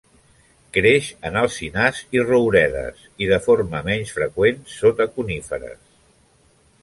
Creix en alzinars i rouredes, i de forma menys freqüent sota coníferes.